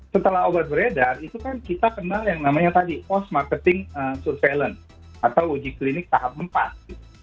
setelah obat beredar itu kan kita kenal yang namanya tadi post marketing surveillance atau uji klinik tahap empat gitu